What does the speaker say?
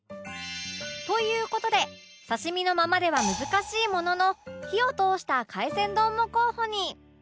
という事で刺身のままでは難しいものの火を通した海鮮丼も候補に